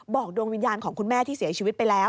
ดวงวิญญาณของคุณแม่ที่เสียชีวิตไปแล้ว